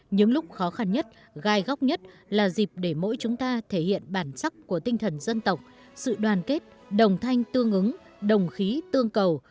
những lúc khó khăn nhất gai góc nhất là dịp để mỗi chúng ta thể hiện bản sắc của tinh thần dân tộc sự đoàn kết đồng thanh tương ứng đồng khí tương cầu